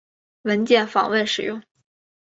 文件访问使用。